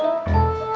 terima kasih pak